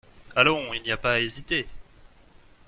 Allons, il n’y a pas à hésiter.